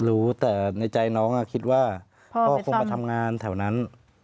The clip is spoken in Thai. รู้แต่ในใจน้องคิดว่าพ่อคงมาทำงานแถวนั้น